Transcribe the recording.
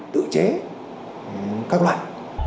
tự chế các loại